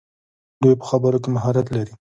دوی په خبرو کې مهارت لري.